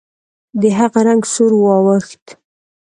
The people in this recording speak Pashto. د هغه رنګ سور واوښت.